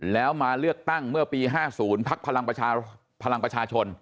แล้วมาเลือกตั้งเมื่อปี๕๐พักพลังประชาชน